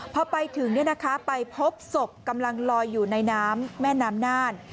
พอไปถึงไปพบศพกำลังลอยอยู่ในน้ำแม่น้ำน่าน